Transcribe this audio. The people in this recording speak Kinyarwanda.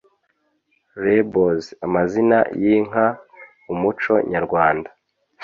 Labels: amazina y'inka, umuco nyarwanda